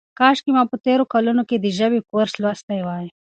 کاشکې ما په تېرو کلونو کې د ژبې کورس لوستی وای.